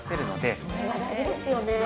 それは大事ですよねえ。